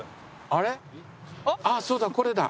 ああそうだこれだ。